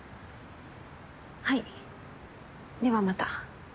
はいではまた。